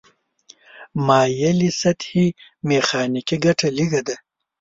مایلې سطحې میخانیکي ګټه لږه ده.